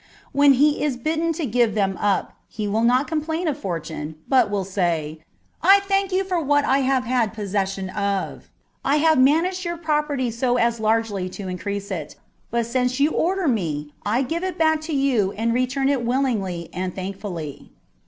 When he is bidden to give them up, he will not complain of Fortune, but will say, " I thank you for what I have had possession of : I have managed your property so as largely to increase it, but since you order me, I give it back to you and return it willingly and thankfully.